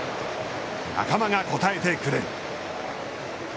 仲間が応えてくれる。